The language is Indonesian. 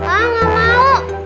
ah nggak mau